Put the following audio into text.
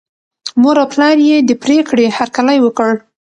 مور او پلار یې د پرېکړې هرکلی وکړ.